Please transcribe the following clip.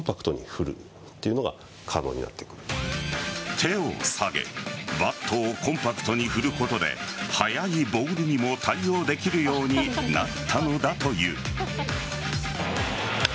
手を下げバットをコンパクトに振ることで速いボールにも対応できるようになったのだという。